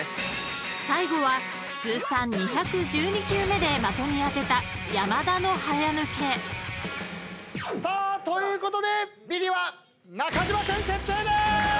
［最後は通算２１２球目で的に当てた山田の早抜け］ということでビリは中島君決定でーす！